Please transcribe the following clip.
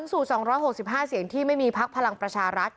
๒๖๕เสียงที่ไม่มีพรรคพลังประชารักษณ์